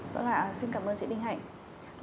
vâng ạ xin cảm ơn chị đinh hạnh